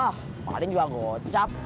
ah paling juga gocap